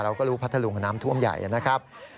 เราก็รู้พัทธลุงน้ำท่วมใหญ่นะครับ